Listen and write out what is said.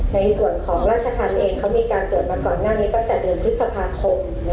ในส่วนของราชธรรมเองเขามีการตรวจมาก่อนหน้านี้ตั้งแต่เดือนพฤษภาคม